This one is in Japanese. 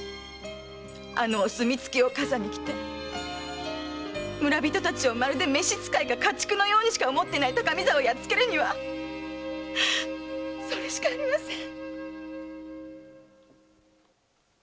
あのお墨付きを笠に着て村人達をまるで召し使いか家畜のようにしか思っていない高見沢をやっつけるにはそれしかありません！